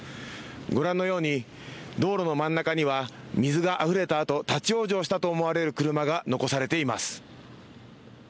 ご覧のように道路の真ん中には水があふれたあと立往生したと思われる車が残されています。